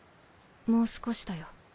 もう少しだよ。